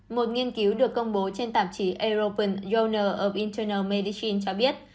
một nghiên cứu được công bố trên tạp chí european journal of internal medicine cho biết